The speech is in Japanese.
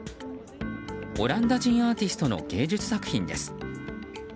オランダ人アーティストの芸術作品です。